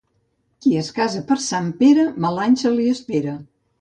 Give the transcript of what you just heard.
Qui es casa per Sant Pere mal any se li espera.